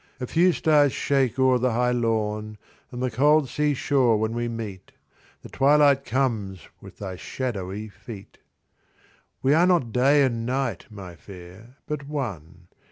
A few stars shake o'er the high lawn And the cold sea shore when we meet. The twilight comes with thy shadowy feet. We are not day and night, my Fair, But one.